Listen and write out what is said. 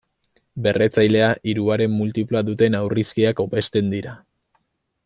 Berretzailea hiruaren multiploa duten aurrizkiak hobesten dira.